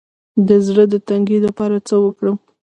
د زړه د تنګي لپاره باید څه وکړم؟